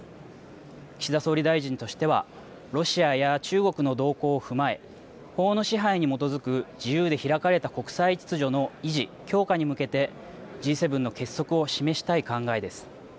岸田総理大臣としてはロシアや中国の動向を踏まえ法の支配に基づく自由で開かれた国際秩序の維持・強化に向けてＧ７の結束を示したい考えです。